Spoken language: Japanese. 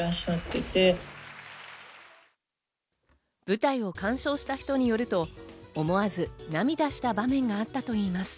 舞台を鑑賞した人によると、思わず涙した場面があったといいます。